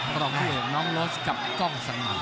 ตรงคู่ของน้องโรสกับกล้องสำหรับ